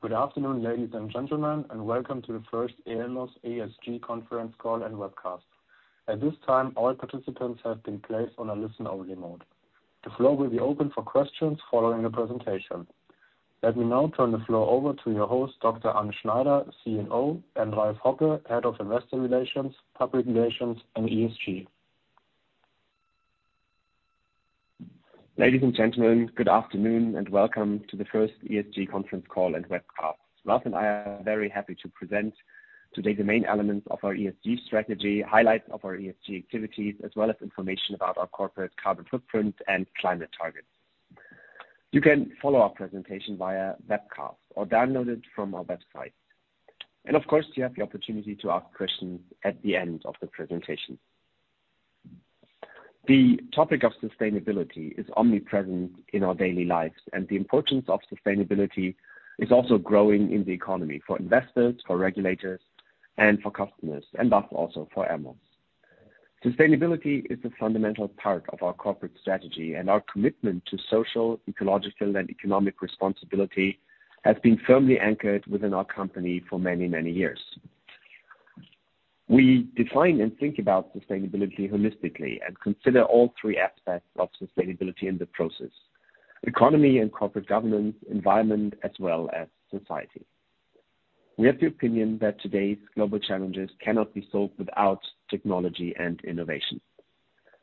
Good afternoon, ladies and gentlemen, and welcome to the first Elmos ESG conference call and webcast. At this time, all participants have been placed on a listen-only mode. The floor will be open for questions following the presentation. Let me now turn the floor over to your host, Dr. Arne Schneider, CEO, and Ralf Hoppe, Head of Investor Relations, Public Relations, and ESG. Ladies and gentlemen, good afternoon, and welcome to the first ESG conference call and webcast. Ralf and I are very happy to present today the main elements of our ESG strategy, highlights of our ESG activities, as well as information about our corporate carbon footprint and climate targets. You can follow our presentation via webcast or download it from our website. Of course, you have the opportunity to ask questions at the end of the presentation. The topic of sustainability is omnipresent in our daily lives, and the importance of sustainability is also growing in the economy for investors, for regulators, and for customers, and thus, also for Elmos. Sustainability is a fundamental part of our corporate strategy, and our commitment to social, ecological, and economic responsibility has been firmly anchored within our company for many, many years. We define and think about sustainability holistically and consider all three aspects of sustainability in the process: economy and corporate governance, environment, as well as society. We have the opinion that today's global challenges cannot be solved without technology and innovation.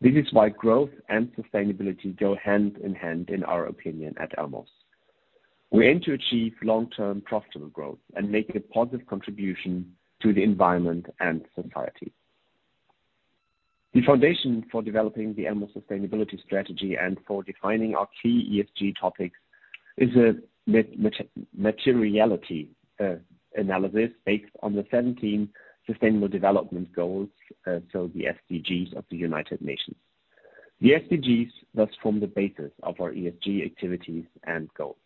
This is why growth and sustainability go hand in hand, in our opinion, at Elmos. We aim to achieve long-term profitable growth and make a positive contribution to the environment and society. The foundation for developing the Elmos sustainability strategy and for defining our key ESG topics is a materiality analysis based on the 17 Sustainable Development Goals, so the SDGs of the United Nations. The SDGs thus form the basis of our ESG activities and goals.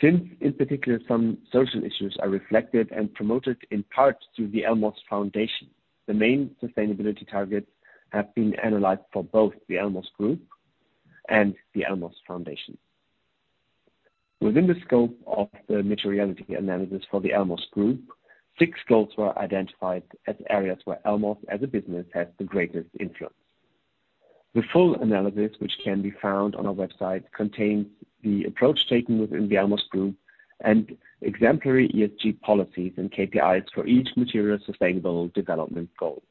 Since, in particular, some social issues are reflected and promoted in part through the Elmos Foundation, the main sustainability targets have been analyzed for both the Elmos Group and the Elmos Foundation. Within the scope of the materiality analysis for the Elmos Group, six goals were identified as areas where Elmos, as a business, has the greatest influence. The full analysis, which can be found on our website, contains the approach taken within the Elmos Group and exemplary ESG policies and KPIs for each material sustainable development goal.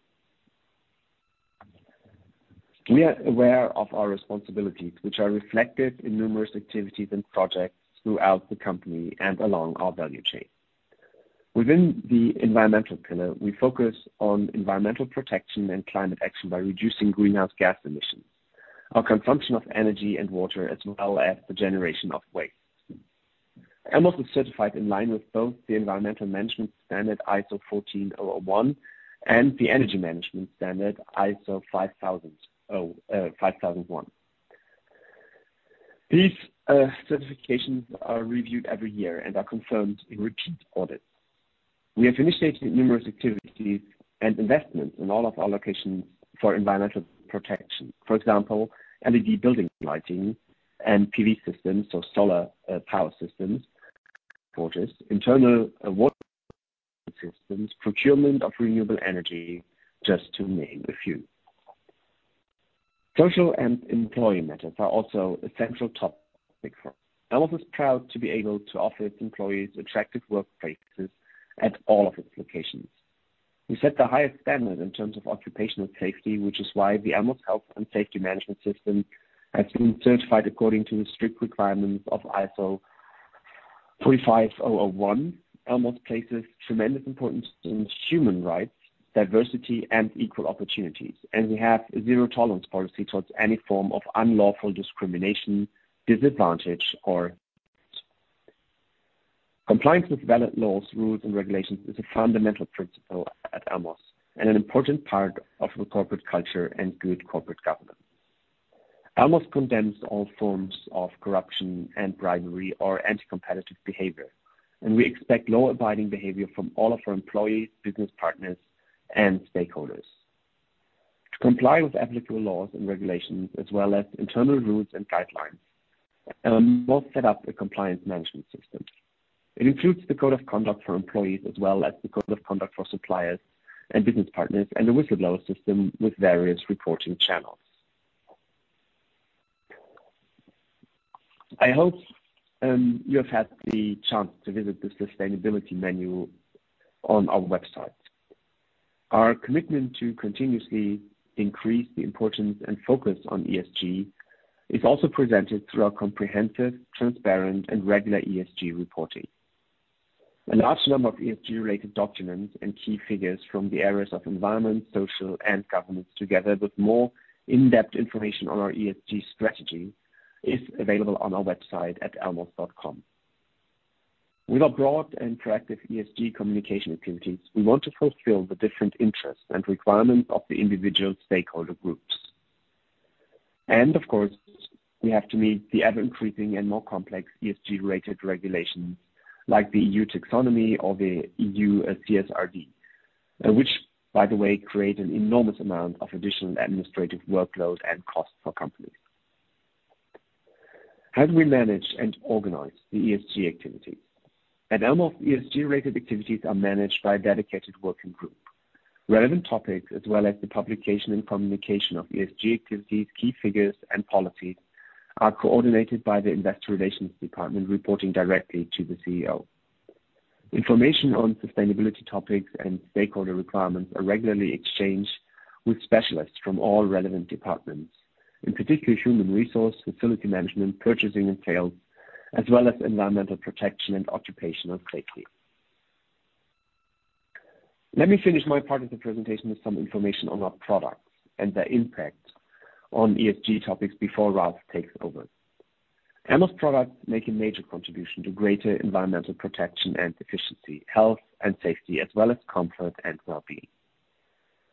We are aware of our responsibilities, which are reflected in numerous activities and projects throughout the company and along our value chain. Within the environmental pillar, we focus on environmental protection and climate action by reducing greenhouse gas emissions, our consumption of energy and water, as well as the generation of waste. Elmos is certified in line with both the Environmental Management Standard, ISO 14001, and the Energy Management Standard, ISO 50001. These certifications are reviewed every year and are confirmed in repeat audits. We have initiated numerous activities and investments in all of our locations for environmental protection. For example, LED building lighting and PV systems, so solar power systems, wastewater, internal water systems, procurement of renewable energy, just to name a few. Social and employee matters are also a central topic. Elmos is proud to be able to offer its employees attractive workplaces at all of its locations. We set the highest standard in terms of occupational safety, which is why the Elmos Health and Safety Management System has been certified according to the strict requirements of ISO 45001. Elmos places tremendous importance in human rights, diversity, and equal opportunities, and we have a zero-tolerance policy towards any form of unlawful discrimination, disadvantage, or. Compliance with valid laws, rules, and regulations is a fundamental principle at Elmos and an important part of the corporate culture and good corporate governance. Elmos condemns all forms of corruption and bribery or anti-competitive behavior, and we expect law-abiding behavior from all of our employees, business partners, and stakeholders. To comply with applicable laws and regulations, as well as internal rules and guidelines, Elmos set up a compliance management system. It includes the Code of Conduct for employees, as well as the Code of conduct for suppliers and business partners and a whistleblower system with various reporting channels. I hope you have had the chance to visit the sustainability menu on our website. Our commitment to continuously increase the importance and focus on ESG is also presented through our comprehensive, transparent, and regular ESG reporting. A large number of ESG-related documents and key figures from the areas of environment, social, and governance, together with more in-depth information on our ESG strategy, is available on our website at elmos.com. With our broad and interactive ESG communication activities, we want to fulfill the different interests and requirements of the individual stakeholder groups. And of course, we have to meet the ever-increasing and more complex ESG-related regulations, like the EU Taxonomy or the EU CSRD, which by the way, create an enormous amount of additional administrative workload and cost for companies. How do we manage and organize the ESG activity? At Elmos, ESG-related activities are managed by a dedicated working group. Relevant topics, as well as the publication and communication of ESG activities, key figures and policies, are coordinated by the Investor Relations Department, reporting directly to the CEO. Information on sustainability topics and stakeholder requirements are regularly exchanged with specialists from all relevant departments, in particular human resources, facility management, purchasing and sales, as well as environmental protection and occupational safety. Let me finish my part of the presentation with some information on our products and their impact on ESG topics before Ralf takes over. Elmos products make a major contribution to greater environmental protection and efficiency, health and safety, as well as comfort and well-being.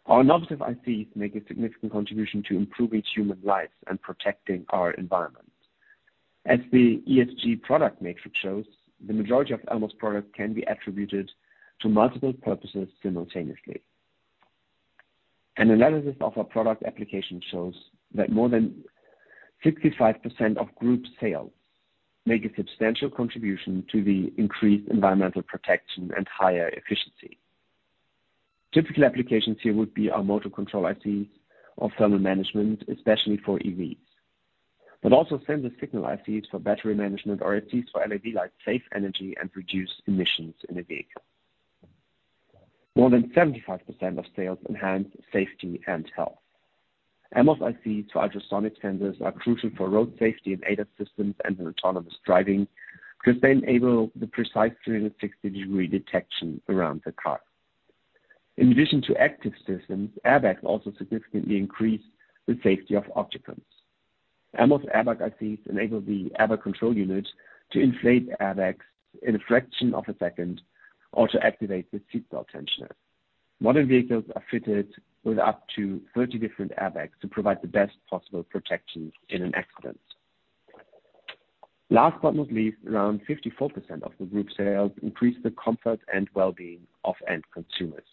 Our innovative ICs make a significant contribution to improving human lives and protecting our environment. As the ESG product matrix shows, the majority of Elmos products can be attributed to multiple purposes simultaneously. An analysis of our product application shows that more than 65% of group sales make a substantial contribution to the increased environmental protection and higher efficiency. Typical applications here would be our motor control ICs or thermal management, especially for EVs, but also sensor signal ICs for battery management, or ASICs for LED lights, save energy and reduce emissions in a vehicle. More than 75% of sales enhance safety and health. Elmos ICs for ultrasonic sensors are crucial for road safety and ADAS systems and autonomous driving, because they enable the precise 360-degree detection around the car. In addition to active systems, airbags also significantly increase the safety of occupants. Elmos airbag ICs enable the airbag control unit to inflate airbags in a fraction of a second, or to activate the seatbelt tensioner. Modern vehicles are fitted with up to 30 different airbags to provide the best possible protection in an accident. Last but not least, around 54% of the group sales increase the comfort and well-being of end consumers.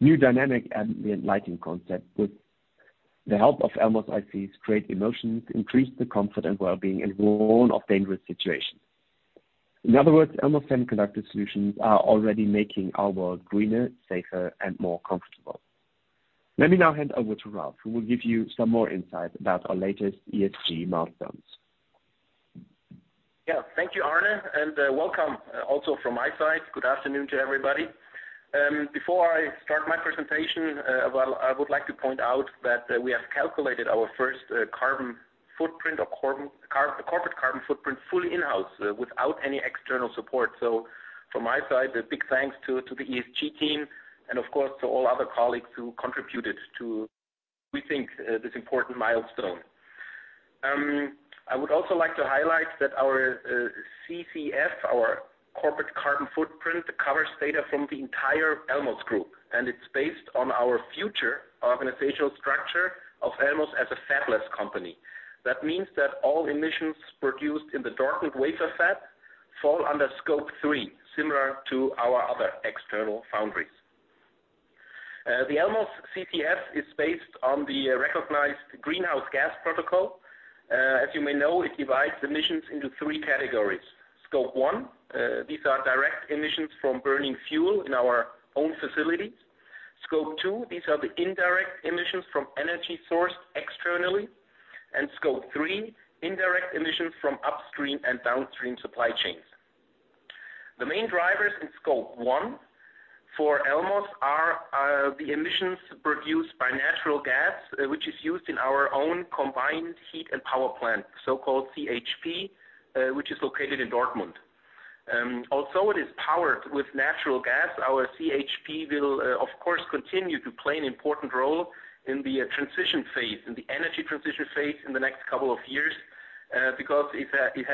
New dynamic ambient lighting concept, with the help of Elmos ICs, create emotions, increase the comfort and well-being, and warn of dangerous situations. In other words, Elmos Semiconductor Solutions are already making our world greener, safer, and more comfortable. Let me now hand over to Ralf, who will give you some more insight about our latest ESG milestones. Yeah, thank you, Arne, and welcome also from my side. Good afternoon to everybody. Before I start my presentation, well, I would like to point out that we have calculated our first corporate carbon footprint, fully in-house, without any external support. So from my side, a big thanks to the ESG team and of course, to all other colleagues who contributed to, we think, this important milestone. I would also like to highlight that our CCF, our Corporate Carbon Footprint, covers data from the entire Elmos group, and it's based on our future organizational structure of Elmos as a fabless company. That means that all emissions produced in the Dortmund wafer fab fall under Scope 3, similar to our other external foundries. The Elmos CCF is based on the recognized Greenhouse Gas Protocol. As you may know, it divides emissions into three categories. Scope 1, these are direct emissions from burning fuel in our own facilities. Scope 2, these are the indirect emissions from energy sourced externally, and Scope 3, indirect emissions from upstream and downstream supply chains. The main drivers in Scope 1 for Elmos are the emissions produced by natural gas, which is used in our own combined heat and power plant, so-called CHP, which is located in Dortmund. Although it is powered with natural gas, our CHP will, of course, continue to play an important role in the transition phase, in the energy transition phase in the next couple of years, because it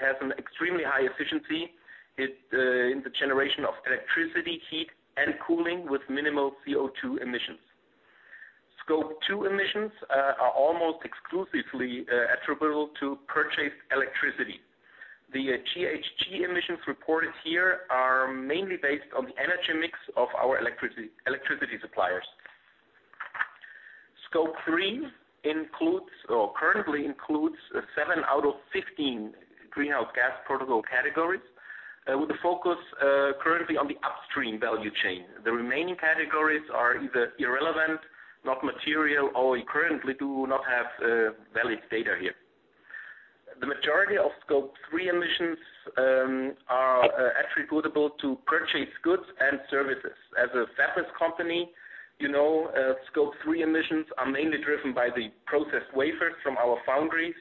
has an extremely high efficiency in the generation of electricity, heat, and cooling with minimal CO₂ emissions. Scope 2 emissions are almost exclusively attributable to purchased electricity. The GHG emissions reported here are mainly based on the energy mix of our electricity suppliers. Scope 3 includes or currently includes seven out of 15 Greenhouse Gas Protocol categories, with the focus currently on the upstream value chain. The remaining categories are either irrelevant, not material, or we currently do not have valid data here. The majority of Scope 3 emissions are attributable to purchased goods and services. As a fabless company, you know, Scope 3 emissions are mainly driven by the processed wafers from our foundries,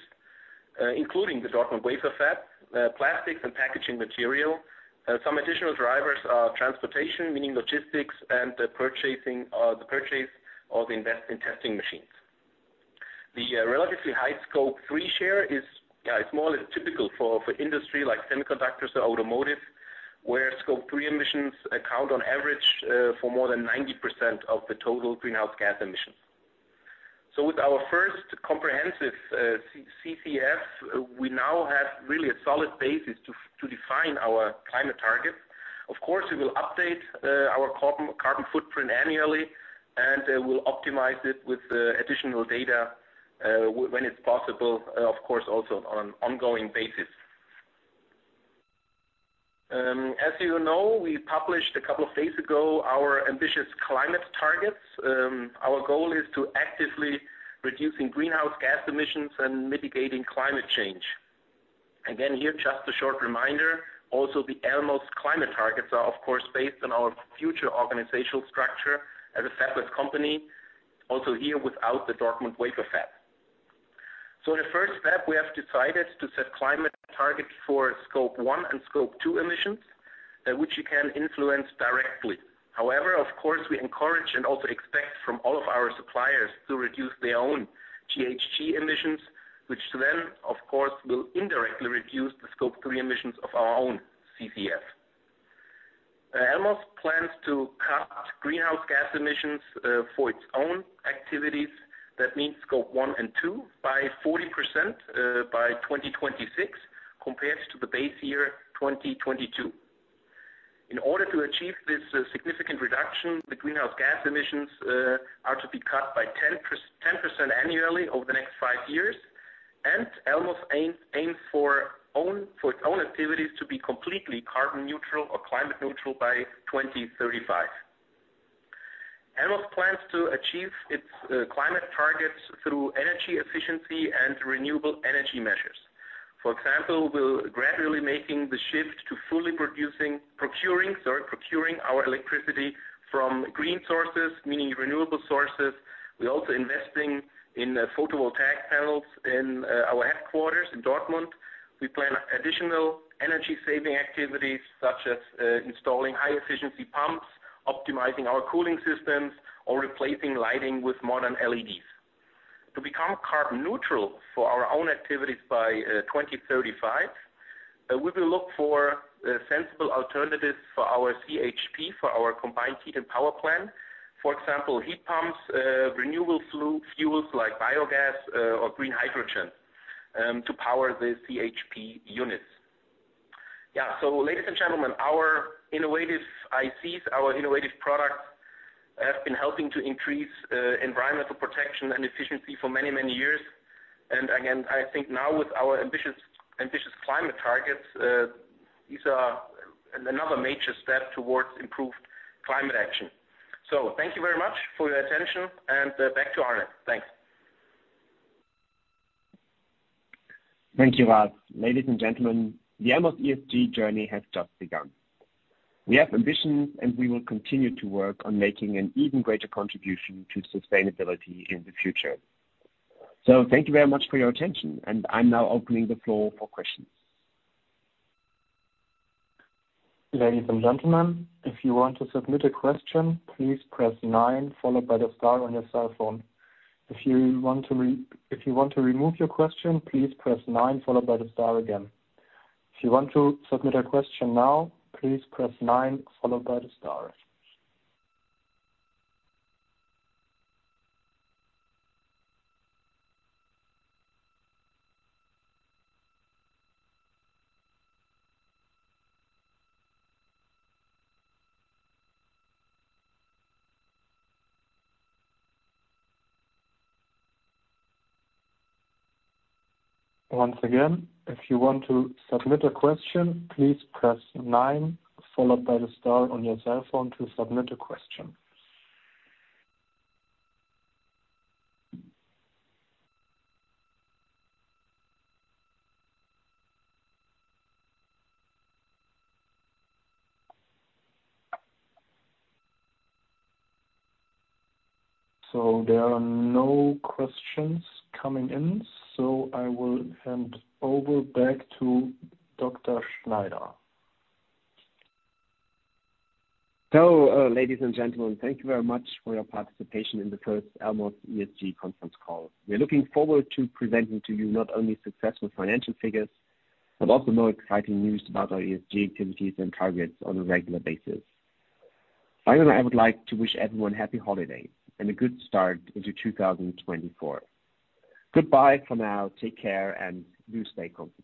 including the Dortmund wafer fab, plastics and packaging material. Some additional drivers are transportation, meaning logistics and the purchasing, the purchase of investment testing machines. The relatively high Scope 3 share is more or less typical for industry like semiconductors or automotive, where Scope 3 emissions account on average for more than 90% of the total greenhouse gas emissions. So with our first comprehensive CCF, we now have really a solid basis to define our climate targets. Of course, we will update our carbon footprint annually, and we'll optimize it with additional data when it's possible, of course, also on an ongoing basis. As you know, we published a couple of days ago our ambitious climate targets. Our goal is to actively reducing greenhouse gas emissions and mitigating climate change. Again, here, just a short reminder, also, the Elmos climate targets are, of course, based on our future organizational structure as a separate company, also here without the Dortmund wafer fab. So the first step, we have decided to set climate targets for Scope 1 and Scope 2 emissions, that which you can influence directly. However, of course, we encourage and also expect from all of our suppliers to reduce their own GHG emissions, which then, of course, will indirectly reduce the Scope 3 emissions of our own CCF. Elmos plans to cut greenhouse gas emissions for its own activities. That means Scope 1 and 2, by 40%, by 2026, compared to the base year, 2022. In order to achieve this significant reduction, the greenhouse gas emissions are to be cut by 10% annually over the next five years, and Elmos aims for its own activities to be completely carbon neutral or climate neutral by 2035. Elmos plans to achieve its climate targets through energy efficiency and renewable energy measures. For example, we're gradually making the shift to fully procuring our electricity from green sources, meaning renewable sources. We're also investing in photovoltaic panels in our headquarters in Dortmund. We plan additional energy-saving activities, such as installing high-efficiency pumps, optimizing our cooling systems, or replacing lighting with modern LEDs. To become carbon neutral for our own activities by 2035, we will look for sensible alternatives for our CHP, for our combined heat and power plant. For example, heat pumps, renewable fuels, like biogas, or green hydrogen, to power the CHP units. Yeah, so ladies and gentlemen, our innovative ICs, our innovative products, have been helping to increase environmental protection and efficiency for many, many years. And again, I think now with our ambitious, ambitious climate targets, these are another major step towards improved climate action. So thank you very much for your attention, and back to Arne. Thanks. Thank you, Ralf. Ladies and gentlemen, the Elmos ESG journey has just begun. We have ambitions, and we will continue to work on making an even greater contribution to sustainability in the future. Thank you very much for your attention, and I'm now opening the floor for questions. Ladies and gentlemen, if you want to submit a question, please press nine followed by the star on your cell phone. If you want to remove your question, please press nine, followed by the star again. If you want to submit a question now, please press nine followed by the star. Once again, if you want to submit a question, please press nine, followed by the star on your cell phone to submit a question. So there are no questions coming in, so I will hand over back to Dr. Schneider. So, ladies and gentlemen, thank you very much for your participation in the first Elmos ESG conference call. We are looking forward to presenting to you not only successful financial figures, but also more exciting news about our ESG activities and targets on a regular basis. Finally, I would like to wish everyone happy holidays and a good start into 2024. Goodbye for now, take care, and do stay confident.